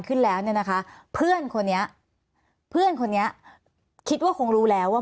ขึ้นแล้วเนี่ยนะคะเพื่อนคนนี้เพื่อนคนนี้คิดว่าคงรู้แล้วว่า